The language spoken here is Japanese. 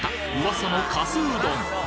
噂のかすうどん！